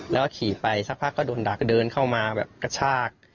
แล้วก็ขี่ไปสักพักก็โดนดักเดินเข้ามาแบบกระชาก